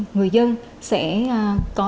người dân sẽ có